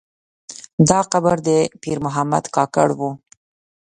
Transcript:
دا قبر د پیر محمد کاکړ و.